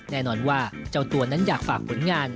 แน่นอนว่าเจ้าตัวนั้นอยากฝากผลงาน